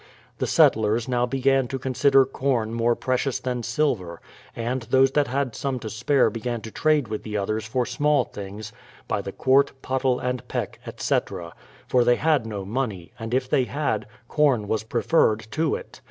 The settlers now began to consider corn more precious than silver; and those that had some to spare began to trade with the others for small things, by the quart, pottle, and peck, etc. ; for they had no money, and if they had, corn was preferred to it.